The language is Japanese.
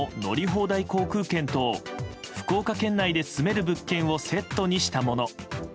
放題航空券と福岡県内で住める物件をセットにしたもの。